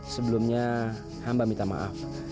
sebelumnya hamba minta maaf